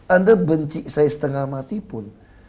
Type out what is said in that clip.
anda benci saya setengah mati pun